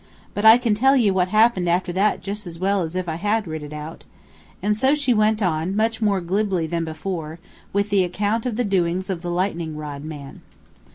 But I can tell you what happened after that jus' as well as if I had writ it out." And so she went on, much more glibly than before, with the account of the doings of the lightning rod man.